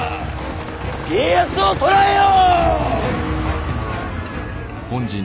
家康を捕らえよ！